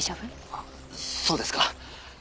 あっそうですか。